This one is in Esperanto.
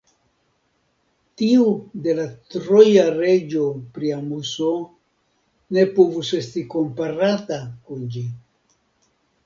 Tiu de la troja reĝo Priamuso ne povus esti komparata kun ĝi.